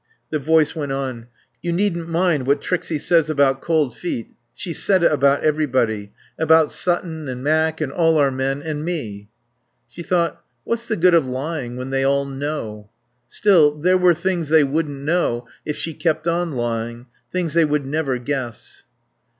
The voice went on. "You needn't mind what Trixie says about cold feet. She's said it about everybody. About Sutton and Mac, and all our men, and me." She thought: What's the good of lying when they all know? Still, there were things they wouldn't know if she kept on lying, things they would never guess.